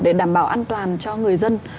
để đảm bảo an toàn cho người dân